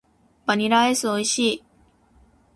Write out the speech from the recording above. バニラアイス美味しい。